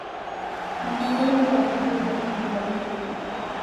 matembele yakupikwe kwa mda mfupi